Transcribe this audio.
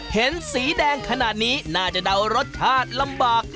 เห็นสีแดงขนาดนี้น่าจะเดารสชาติลำบาก